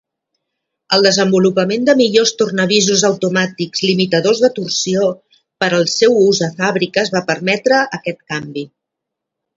El desenvolupament de millors tornavisos automàtics limitadors de torsió per al seu ús a fàbriques va permetre aquest canvi.